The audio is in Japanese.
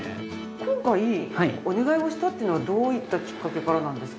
今回お願いをしたっていうのはどういったきっかけからなんですか？